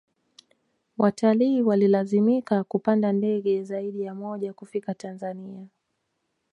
watalii walilazimika kupanda ndege zaidi ya moja kufika tanzania